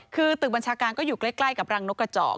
คือตึกบัญชาการก็อยู่ใกล้กับรังนกกระจอก